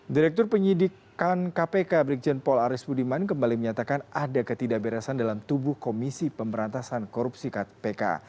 direktur penyidikan kpk brigjen paul aris budiman kembali menyatakan ada ketidakberesan dalam tubuh komisi pemberantasan korupsi kpk